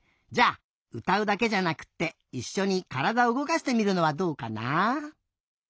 じゃあうたうだけじゃなくっていっしょにからだうごかしてみるのはどうかな。